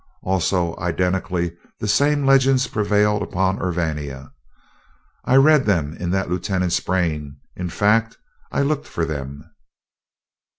Also identically the same legends prevail upon Urvania. I read them in that lieutenant's brain in fact, I looked for them.